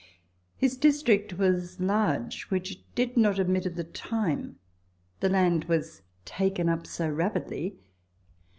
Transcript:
His district was large, which did not admit of the time the land was taken up so rapidly.